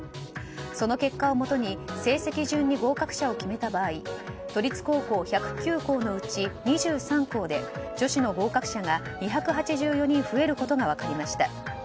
その結果をもとに成績順で全合格者を決めた場合都立高校１０９校のうち２３校で女子の合格者が２８４人増えることが分かりました。